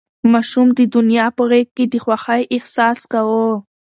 ماشوم د نیا په غېږ کې د خوښۍ احساس کاوه.